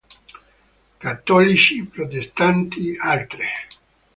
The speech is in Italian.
Cattolici, protestanti, altre.